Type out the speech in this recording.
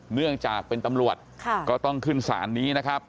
เนื่องจากเป็นตำรวจก็ต้องขึ้นศาลนี้นะครับ